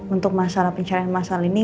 untuk masalah pencarian massal ini